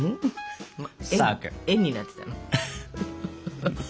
円になってたの？